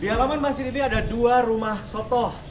di halaman masjid ini ada dua rumah sotoh